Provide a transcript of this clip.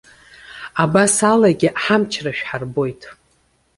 Абас алагьы, ҳамчра шәҳарбоит.